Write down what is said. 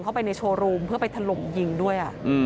เข้าไปในโชว์รูมเพื่อไปถล่มยิงด้วย